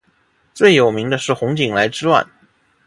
最有名是洪景来之乱。